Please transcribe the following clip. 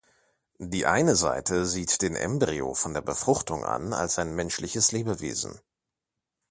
Die eine Seite sieht den Embryo von der Befruchtung an als ein menschliches Lebewesen.